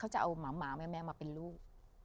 จะเอาหมาแม่มาเป็นลูก